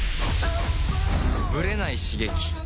ブレない刺激